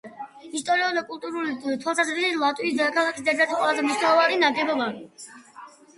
ისტორიული და კულტურული თვალსაზრისით ლატვიის დედაქალაქის ერთ-ერთი ყველაზე მნიშვნელოვანი ნაგებობა.